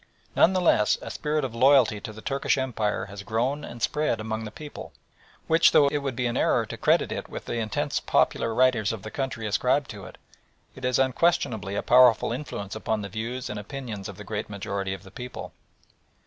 None the less a spirit of loyalty to the Turkish Empire has grown and spread among the people, which, though it would be an error to credit it with the intensity popular writers of the country ascribe to it, has unquestionably a powerful influence upon the views and opinions of the great majority of the people.